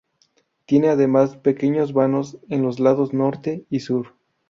Tiene además pequeños vanos en los lados Norte y Sur.